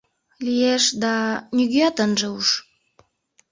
Лиеш... да... нигӧат ынже уж...